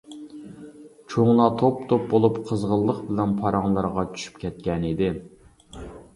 چوڭلار توپ-توپ بولۇپ قىزغىنلىق بىلەن پاراڭلىرىغا چۈشۈپ كەتكەن ئىدى.